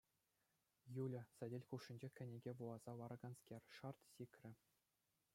Юля, сӗтел хушшинче кӗнеке вуласа лараканскер, шарт! сикрӗ.